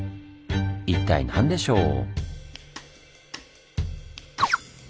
一体何でしょう？